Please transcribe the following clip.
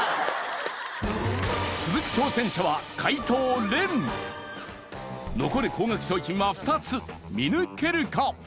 続く挑戦者は残る高額商品は２つ見抜けるか？